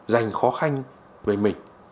dành khó khăn về mình